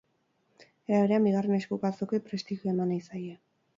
Era berean, bigarren eskuko azokei prestigioa eman nahi zaie.